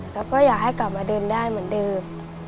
แล้วก็อยากให้กลับมาเดินได้เหมือนเดิม